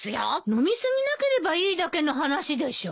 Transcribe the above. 飲み過ぎなければいいだけの話でしょ。